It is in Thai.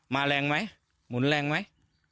แรงไหมหมุนแรงไหม